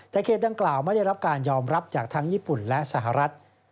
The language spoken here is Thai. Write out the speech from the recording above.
แต่เขตดังกล่าวไม่ได้รับการยอมรับจากทั้งญี่ปุ่นและสหรัฐ